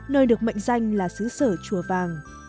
nơi được mệnh danh là xứ sở chùa vàng